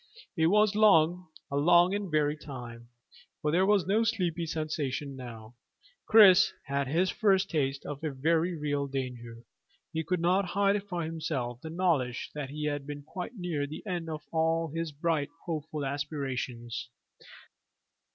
It was long a long and weary time, for there was no sleepy sensation now. Chris had had his first taste of a very real danger. He could not hide from himself the knowledge that he had been quite near the end of all his bright, hopeful aspirations.